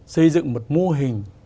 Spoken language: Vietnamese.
xây dựng một mô hình